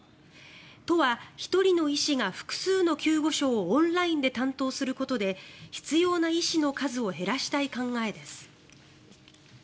都は、１人の医師が複数の救護所をオンラインで担当することで必要な医師の数を減らしたい考えです。